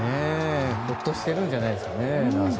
ホッとしてるんじゃないですかね。